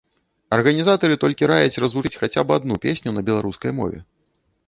Арганізатары толькі раяць развучыць хаця б адну песню на беларускай мове.